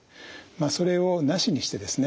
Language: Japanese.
それをなしにしてですね